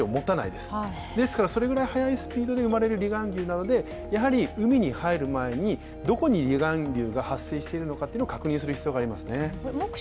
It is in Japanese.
ですから、それぐらい速いスピードで生まれる離岸流なので、海に入る前にどこに離岸流が発生しているのかっていうのを確認する必要がありますね。